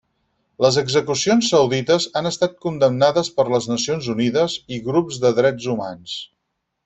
Les execucions saudites han estat condemnades per les Nacions Unides i grups de drets humans.